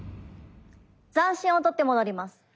残心をとって戻ります。